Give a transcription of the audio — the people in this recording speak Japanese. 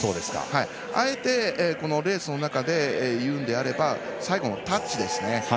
あえて、このレースの中で言うのであれば最後のタッチですね